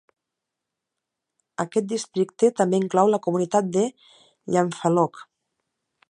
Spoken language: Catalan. Aquest districte també inclou la comunitat de Llanfaelog.